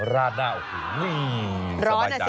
รัดหน้าสบายใจ